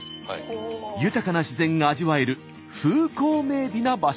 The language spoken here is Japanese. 豊かな自然が味わえる風光明美な場所。